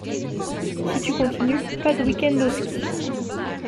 Si tu continues, pas de week-end au ski.